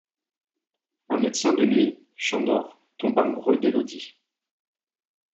Un médecin de nuit, Chandor tombe amoureux d’Elodie.